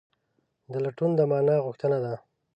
دا لټون د مانا غوښتنه ده.